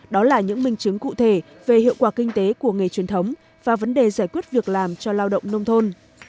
đó là những minh chứng cụ thể về hiệu quả kinh tế của nghề truyền thống và vấn đề giải quyết việc làm cho lao động nông thôn